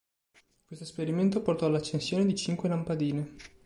Questo esperimento portò all'accensione di cinque lampadine.